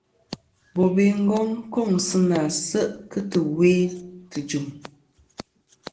Bobe Ngong kôŋ sɨ nà se' kɨ tɨwe tɨjɨ̀m.